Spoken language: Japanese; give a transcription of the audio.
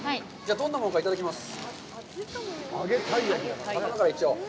どんなものか、いただきます。